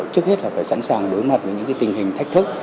trước hết là phải sẵn sàng đối mặt với những tình hình thách thức